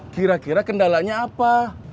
kira kira kendalanya apa